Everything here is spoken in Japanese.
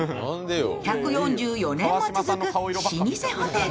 １４４年も続く老舗ホテル。